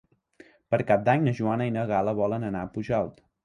Per Cap d'Any na Joana i na Gal·la volen anar a Pujalt.